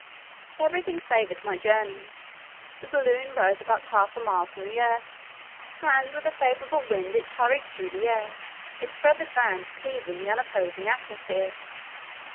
Everything favoured my journey. The balloon rose about half a mile from the earth, and with a favourable wind it hurried through the air, its feathered vans cleaving the unopposing atmosphere.